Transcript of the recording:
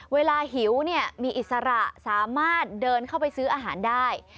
หิวเนี่ยมีอิสระสามารถเดินเข้าไปซื้ออาหารได้